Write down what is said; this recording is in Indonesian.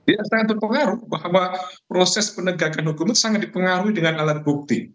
ya sangat berpengaruh bahwa proses penegakan hukum itu sangat dipengaruhi dengan alat bukti